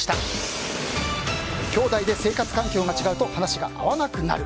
きょうだいで生活環境が違うと話が合わなくなる。